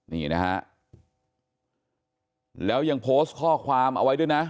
นี่นะฮะแล้วยังโพสต์ข้อความเอาไว้ด้วยนะ